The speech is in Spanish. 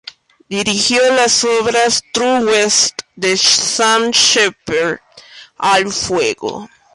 Dirigió las obras "True West" de Sam Shepard, "¡Al Fuego!